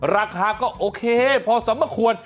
ราคาก็โอเคพอสมควร